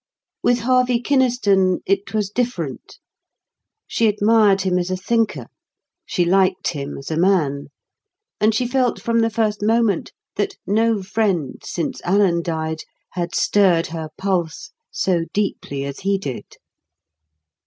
With Harvey Kynaston it was different. She admired him as a thinker; she liked him as a man; and she felt from the first moment that no friend, since Alan died, had stirred her pulse so deeply as he did.